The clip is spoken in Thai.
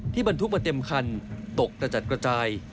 บรรทุกมาเต็มคันตกกระจัดกระจาย